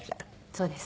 そうです。